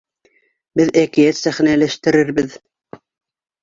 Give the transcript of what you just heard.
Беҙ әкиәт сәхнәләштерербеҙ.